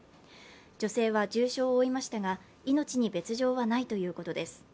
女性は重傷を負いましたが命に別状はないということです。